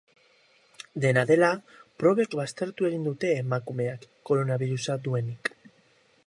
Dena dela, probek baztertu egin dute emakumeak koronabirusa duenik.